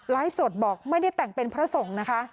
สดบอกไม่ได้แต่งเป็นพระสงฆ์นะคะ